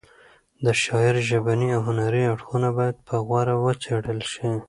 د شاعر ژبني او هنري اړخونه باید په غور وڅېړل شي.